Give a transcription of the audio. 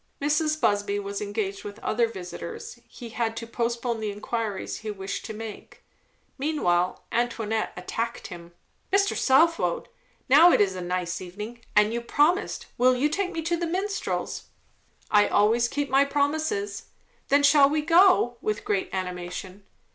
Mrs. Busby was engaged with other visitors; he had to post pone the inquiries he wished to make. Meanwhile Antoinette attacked him. "Mr. Southwode, now it is a nice evening, and you promised; will you take me to the Minstrels?" "I always keep my promises." "Then shall we go?" with great animation.